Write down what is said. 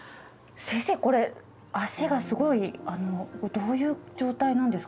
先生これ足がすごい。どういう状態なんですか？